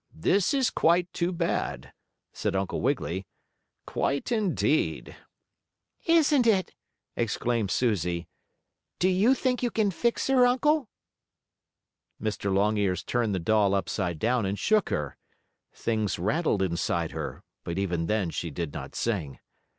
This is quite too bad!" said Uncle Wiggily. "Quite indeed." "Isn't it!" exclaimed Susie. "Do you think you can fix her, Uncle?" Mr. Longears turned the doll upside down and shook her. Things rattled inside her, but even then she did not sing.